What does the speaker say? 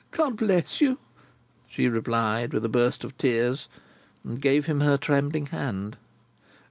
"God bless you!" she replied, with a burst of tears, and gave him her trembling hand.